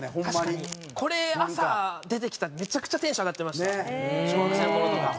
これ朝出てきたらめちゃくちゃテンション上がってました小学生の頃とか。